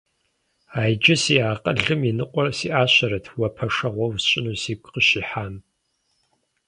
А иджы сиӏэ акъылым и ныкъуэр сиӏащэрэт уэ пэшэгъу усщӏыну сигу къыщихьам.